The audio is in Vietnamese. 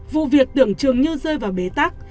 vụ việc tưởng trường như rơi vào bế tắc